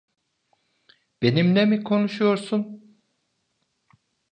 Benimle mi konuşuyorsun?